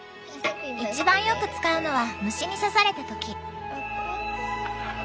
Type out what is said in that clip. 一番よく使うのは虫に刺された時。